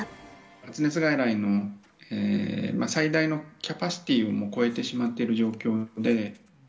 発熱外来の最大のキャパシティーを超えてしまっている状況で。